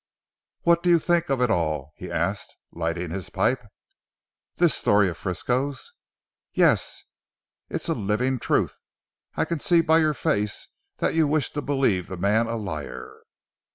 "What do you think of it all?" he asked lighting his pipe. "This story of Frisco's?" "Yes. It's a living truth. I can see by your face that you wish to believe the man a liar.